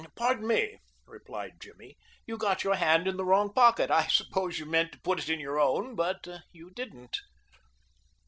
"Pardon me," replied Jimmy: "you got your hand in the wrong pocket. I suppose you meant to put it in your own, but you didn't."